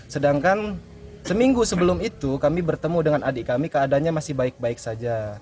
sedangkan seminggu sebelum itu kami bertemu dengan adik kami keadaannya masih baik baik saja